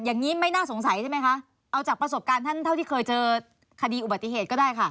อย่างนี้ไม่น่าสงสัยใช่ไหมคะเอาจากประสบการณ์ท่านเท่าที่เคยเจอคดีอุบัติเหตุก็ได้ค่ะ